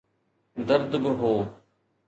درد به هو.